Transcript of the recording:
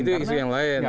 itu isu yang lain